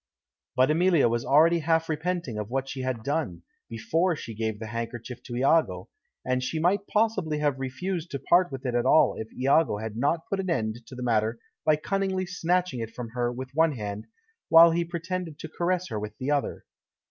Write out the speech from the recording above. But Emilia was already half repenting of what she had done, before she gave the handkerchief to Iago, and she might possibly have refused to part with it at all if Iago had not put an end to the matter by cunningly snatching it from her with one hand, while he pretended to caress her with the other.